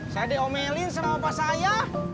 saya diomelin sama bapak saya